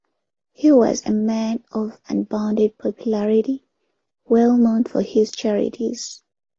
He was a man of unbounded popularity, well known for his charities.